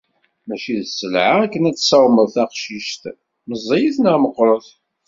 Mačči d sselɛa akken ad tsawmeḍ taqcict, meẓẓiyet neɣ meqqret.